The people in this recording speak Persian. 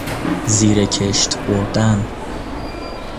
زیر کشت بردن